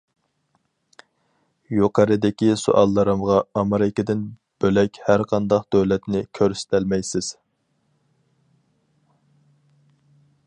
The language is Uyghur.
يۇقىرىدىكى سوئاللىرىمغا ئامېرىكىدىن بۆلەك ھەر قانداق دۆلەتنى كۆرسىتەلمەيسىز!